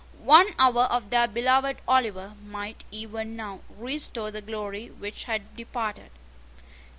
One hour of their beloved Oliver might even now restore the glory which had departed.